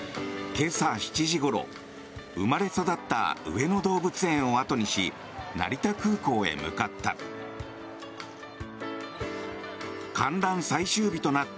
今朝７時ごろ生まれ育った上野動物園を後にし成田空港へ向かった。